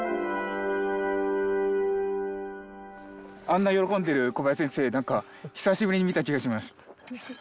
あんな喜んでる小林先生何か久しぶりに見た気がします。